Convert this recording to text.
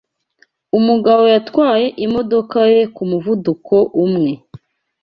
Umugabo yatwaye imodoka ye ku muvuduko umwe.